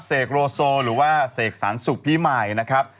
เสกโรโซหรือว่าเสกสรรสุขพิมัยนะครับ